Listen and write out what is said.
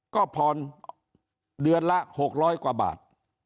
ก็ผ่อนเดือนละ๖๐๐กว่าบาท